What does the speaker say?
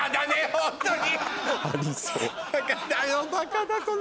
ホントに。